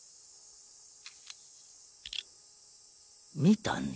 見たんだ。